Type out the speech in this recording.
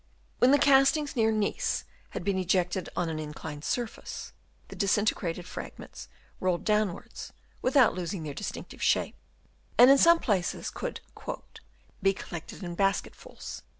When the castings near Nice had been ejected on an inclined surface, the disinte grated fragments rolled downwards, without losing their distinctive shape ; and in some places could " be collected in basketfuls."